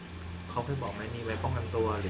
เขาเคยบอกมั้ยมีไว้ป้องกันตัวหรือมีไว้ป้องกันตัว